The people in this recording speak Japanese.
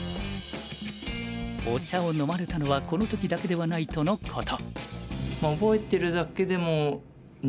お茶を飲まれたのはこの時だけではないとのこと。